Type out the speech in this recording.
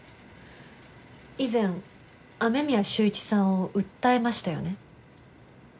以前雨宮秀一さんを訴えましたよね？